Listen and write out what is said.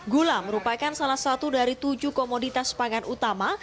gula merupakan salah satu dari tujuh komoditas pangan utama